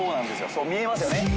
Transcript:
そう見えますよね。